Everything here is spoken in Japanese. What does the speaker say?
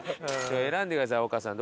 選んでください丘さん。